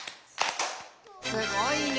すごいね！